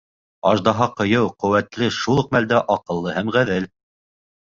Аждаһа ҡыйыу, ҡеүәтле, шул уҡ мәлдә аҡыллы һәм ғәҙел.